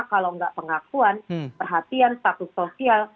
kalau nggak pengakuan perhatian status sosial